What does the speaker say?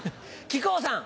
木久扇さん。